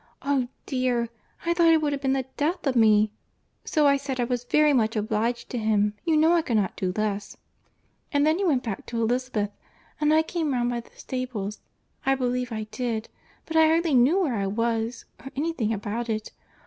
Oh! dear, I thought it would have been the death of me! So I said, I was very much obliged to him: you know I could not do less; and then he went back to Elizabeth, and I came round by the stables—I believe I did—but I hardly knew where I was, or any thing about it.